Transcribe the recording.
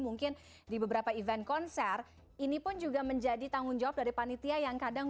mungkin di beberapa event konser ini pun juga menjadi tanggung jawab dari panitia yang kadang